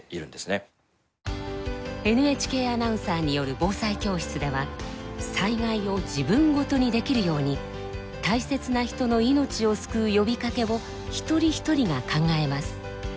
ＮＨＫアナウンサーによる「防災教室」では災害を自分事にできるように「大切な人の命を救う呼びかけ」を一人一人が考えます。